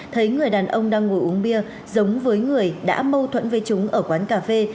thấy người đàn ông đang ngồi uống bia giống với người đã mâu thuẫn với chúng ở quán cà phê